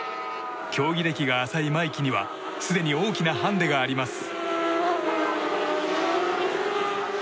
競技歴が浅い真生騎にはすでに大きなハンデがあります。